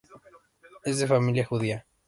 Es de familia judía.